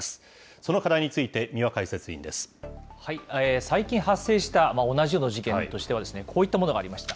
その課題について、三輪解説委員最近発生した、同じような事件としては、こういったものがありました。